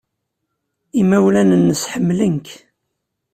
Imawlan-nnes ḥemmlen-k.